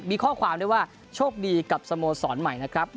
มีข้อความด้วยว่าโชคดีกับสโมสรใหม่นะครับ